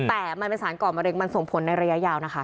แต่มันเป็นสารก่อมะเร็งมันส่งผลในระยะยาวนะคะ